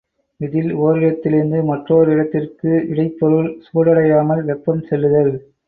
இதில் ஒரிடத்திலிருந்து மற்றோரிடத்திற்கு இடைப் பொருள் சூடடையாமல் வெப்பம் செல்லுதல்.